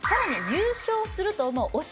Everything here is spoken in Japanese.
優勝すると思う推し